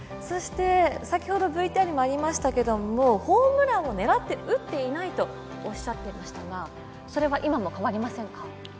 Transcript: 先ほどＶＴＲにもありましたけども、ホームランを狙って打っていないとおっしゃっていましたがそれは今も変わりませんか？